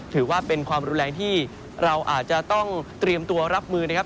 ถือว่าเป็นความรุนแรงที่เราอาจจะต้องเตรียมตัวรับมือนะครับ